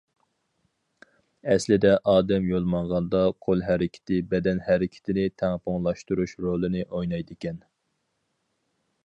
ئەسلىدە ئادەم يول ماڭغاندا قول ھەرىكىتى بەدەن ھەرىكىتىنى تەڭپۇڭلاشتۇرۇش رولىنى ئوينايدىكەن.